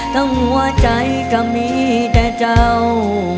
หัวใจก็มีแต่เจ้า